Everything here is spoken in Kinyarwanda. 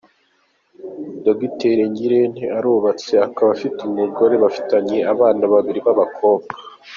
Dr Ngirente arubatse, akaba afite umugore bafitanye abana babiri b’abakobwa.